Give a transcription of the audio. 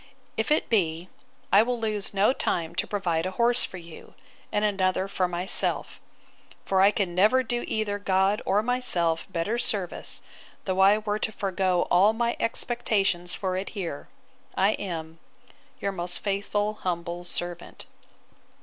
If it be, I will lose no time to provide a horse for you, and another for myself; for I can never do either God or myself better service, though I were to forego all my expectations for it here, I am 'Your most faithful humble servant.